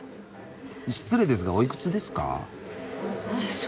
失礼ですがおいくつですか？